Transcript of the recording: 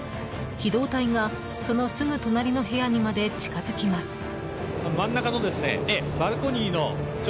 機動隊がそのすぐ隣の部屋にまで近づきます。